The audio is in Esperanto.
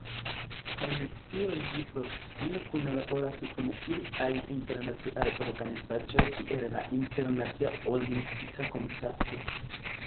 En tio ĝi proksime kunlaboras kun aliaj internaciaj organizaĵoj kiel la Internacia Olimpika Komitato.